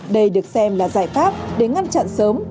đây được xem là giải pháp để ngăn chặn sớm